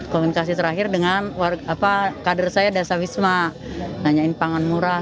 komunikasi terakhir dengan kader saya desa wisma nanyain pangan murah